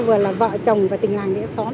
vừa là vợ chồng và tình nàng địa xóm